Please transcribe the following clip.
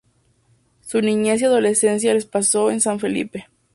Su niñez y adolescencia las pasó en San Felipe.